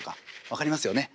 分かりますよね。